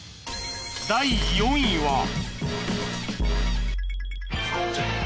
［第４位は］